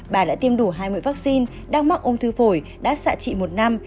bà đã tiêm đủ hai mươi vaccine đang mắc ung thư phổi đã xạ trị một năm